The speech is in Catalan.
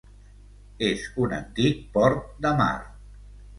És un antic port de mar.